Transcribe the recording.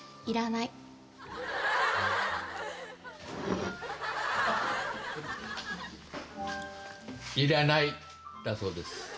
「いらない」だそうです。